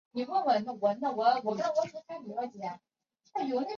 小时候参加过中央人民广播电台少年广播合唱团。